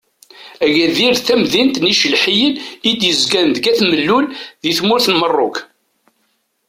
Agadir d tamdint n yicelḥiyen i d-yezgan deg At Mellul di tmurt n Merruk.